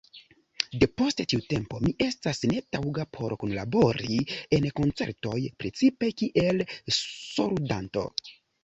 De post tiu tempo mi estas netaŭga por kunlabori en koncertoj, precipe kiel solludanto.